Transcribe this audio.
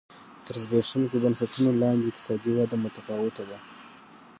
تر زبېښونکو بنسټونو لاندې اقتصادي وده متفاوته ده.